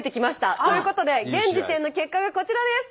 ということで現時点の結果がこちらです！